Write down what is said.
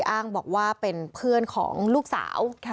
อ้างบอกว่าเป็นเพื่อนของลูกสาว